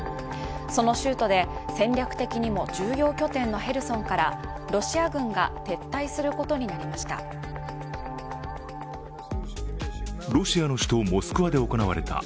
その州都で戦略的にも重要拠点のヘルソンからロシア軍が撤退することになりました。